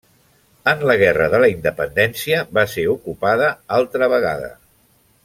En la Guerra de la Independència va ser ocupada altra vegada.